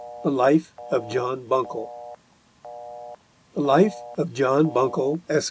THE LIFE OF JOHN BUNCLE THE LIFE OF JOHN BUNCLE, ESQ.